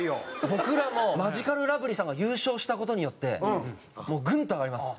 僕らもマヂカルラブリーさんが優勝した事によってもうグンと上がります。